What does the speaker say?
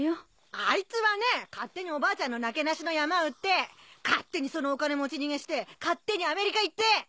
あいつはね勝手におばあちゃんのなけなしの山売って勝手にそのお金持ち逃げして勝手にアメリカ行って！